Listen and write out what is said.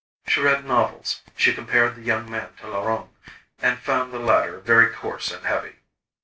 She read novels, she compared the young man to Laurent, and found the latter very coarse and heavy.